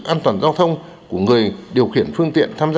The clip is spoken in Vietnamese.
an toàn giao thông của người điều khiển phương tiện tham gia